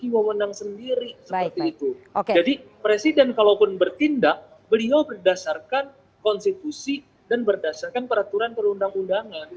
jadi presiden kalau pun bertindak beliau berdasarkan konstitusi dan berdasarkan peraturan perundang undangan